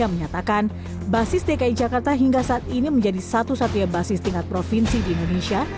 yang menyatakan basis dki jakarta hingga saat ini menjadi satu satunya basis tingkat provinsi di indonesia